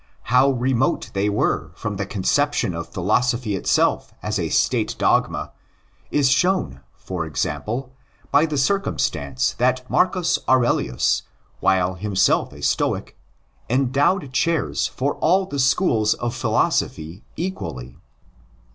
How remote they were from the conception of philosophy itself as a State dogma is shown, for example, by the circumstance that Marcus Aurelius, while himself a Stoic, endowed chairs for all the schools of philosophy equally.